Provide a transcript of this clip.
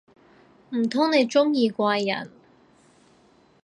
唔通你鍾意怪人